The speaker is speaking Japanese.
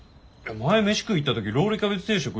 前飯食いに行った時ロールキャベツ定食